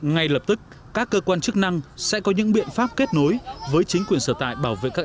ngay lập tức các cơ quan chức năng sẽ có những biện pháp kết nối với chính quyền sở tại bảo vệ các